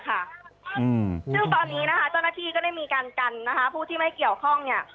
ซึ่งตอนนี้นะคะเจ้าหน้าที่ก็ได้มีการกันนะคะผู้ที่ไม่เกี่ยวข้องเนี่ย